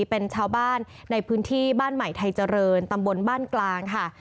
เป็นชาวบ้านในพื้นที่บ้านใหม่ไทยเจริญตำบลบ้านกลางค่ะ